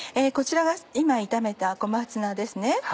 こちらが今炒めた小松菜ですね。